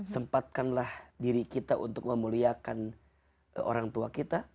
sempatkanlah diri kita untuk memuliakan orang tua kita